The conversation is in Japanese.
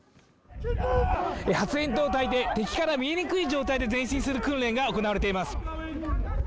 発煙筒をたいて敵から見えにくい状態で前進する訓練が行われています。